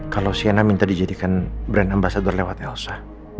kalau siana minta dijadikan brand ambasador lewat elsa